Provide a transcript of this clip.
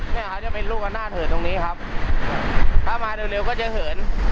เนี่ยเขาจะเป็นลูกอำนาจเถินตรงนี้ครับถ้ามาเร็วเร็วก็จะเหิน